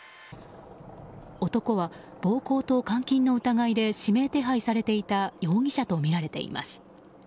男は暴行と監禁の疑いで指名手配されていた容疑者とみられています。